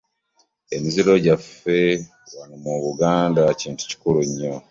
Emiziro gyaffe wano mu Buganda kintu kikulu nnyo.